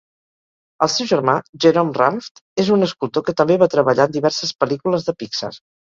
El seu germà, Jerome Ranft, és un escultor que també va treballar en diverses pel·lícules de Pixar.